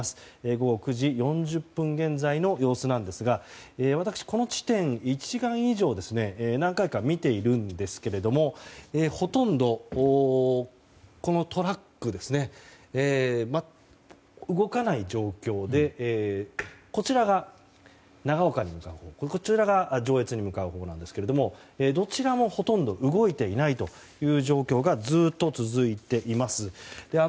午後９時４０分現在の様子なんですが私、この地点を１時間以上にわたって何回か見ているんですがほとんど、このトラックが動かない状況でこちらが長岡に向かうこちらが上越に向かうほうなんですがどちらも、ほとんど動いていないという状況がずっと続いています。